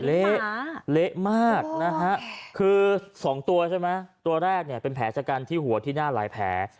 เละมากนะฮะคือ๒ตัวใช่ไหมตัวแรกเนี่ยเป็นแผลชะกันที่หัวที่หน้าหลายแผล